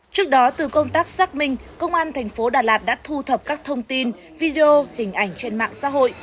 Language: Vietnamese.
trước đó từ công tác xác minh công an thành phố đà lạt đã thu thập các thông tin video hình ảnh trên mạng xã hội